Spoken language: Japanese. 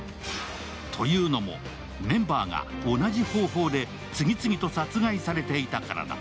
というのも、メンバーが同じ方法で次々と殺害されていたからだ。